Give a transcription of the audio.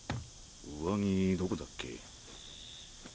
上着どこだっけ？